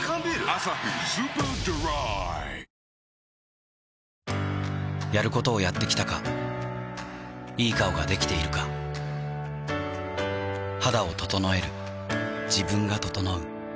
「アサヒスーパードライ」やることをやってきたかいい顔ができているか肌を整える自分が整う